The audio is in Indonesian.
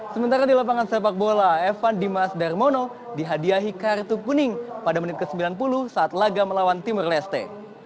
sementara di lapangan sepak bola evan dimas darmono dihadiahi kartu kuning pada menit ke sembilan puluh saat laga melawan timur leste